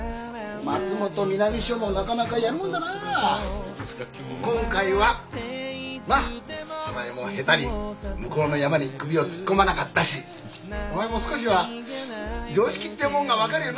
松本南署もなかなかやるもんだなぁ今回はまっお前も下手に向こうのヤマに首を突っ込まなかったしお前も少しは常識ってもんが分かるようになったか？